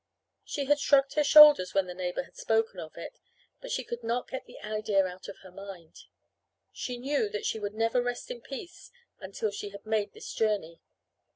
She had shrugged her shoulders when her neighbor had spoken of it but she could not get the idea out of her mind. She knew that she would never rest in peace until she had made this journey.